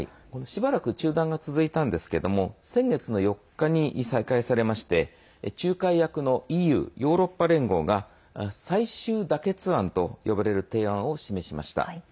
しばらく中断が続いたんですけども先月の４日に再開されまして仲介役のＥＵ＝ヨーロッパ連合が最終妥結案と呼ばれる提案を示しました。